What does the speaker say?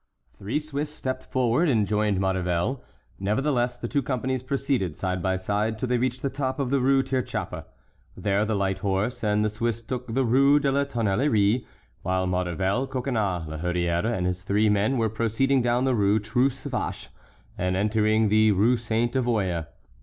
Three Swiss stepped forward and joined Maurevel. Nevertheless, the two companies proceeded side by side till they reached the top of the Rue Tirechappe; there the light horse and the Swiss took the Rue de la Tonnellerie, while Maurevel, Coconnas, La Hurière, and his three men were proceeding down the Rue Trousse Vache and entering the Rue Sainte Avoye.